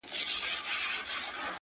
o مخته چي دښمن راسي تېره نه وي ـ